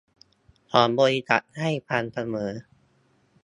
ของบริษัทให้ฟังเสมอ